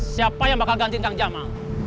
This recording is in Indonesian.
siapa yang bakal ganti kang jama